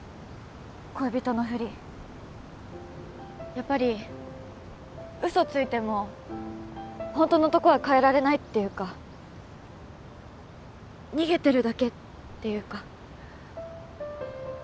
恋人のフリやっぱり嘘ついても本当のとこは変えられないっていうか逃げてるだけっていうか